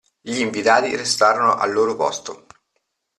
Gli invitati restarono al loro posto.